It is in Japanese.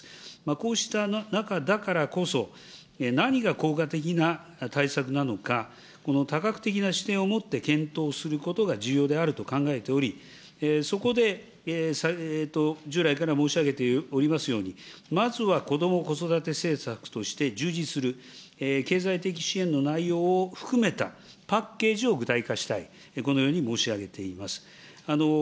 こうした中だからこそ、何が効果的な対策なのか、多角的な視点を持って検討をすることが重要であると考えており、そこで従来から申し上げておりますように、まずはこども・子育て政策として充実する経済的支援の内容を含めたパッケージを具体化したい、このように申し上げています。